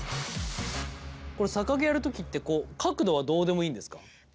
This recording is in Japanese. これ逆毛をやる時って角度はどうでもいいんですか？